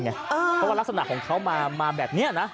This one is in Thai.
เพราะว่ารักษณะของเขามาแบบนี้นะ